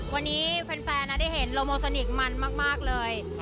วันนี้แฟนได้เห็นโลโมโทนิคมันมากเลย